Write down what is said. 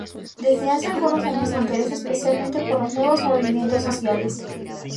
Desde hace algunos años se interesa especialmente por los nuevos movimientos sociales.